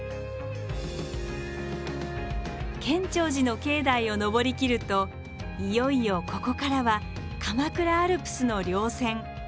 建長寺の境内を登りきるといよいよここからは鎌倉アルプスの稜線。